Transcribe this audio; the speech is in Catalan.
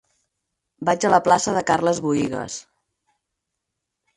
Vaig a la plaça de Carles Buïgas.